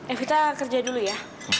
eh kita kerja dulu ya